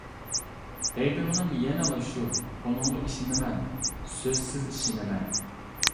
دەيدىغىنىم يەنىلا شۇ، ئۇنىڭغا ئىشىنىمەن، سۆزسىز ئىشىنىمەن.